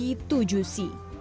daging yang begitu juicy